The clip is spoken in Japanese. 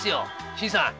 新さん